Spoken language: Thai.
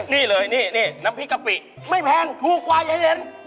นี่เลยนี่น้ำพริกกะปิไม่แพงถูกกว่ายายเด่น